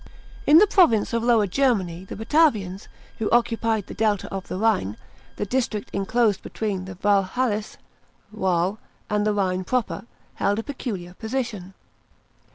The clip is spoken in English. In the province of Tower Germany the Batavians, who occupied the delta of the Rhine — the district enclosed between the Vahalis (Waal) and the Rhine proper — held a peculiar position.